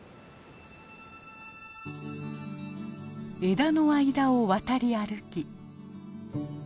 枝の間を渡り歩き。